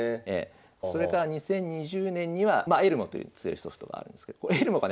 それから２０２０年にはまあエルモという強いソフトがあるんですけどエルモがね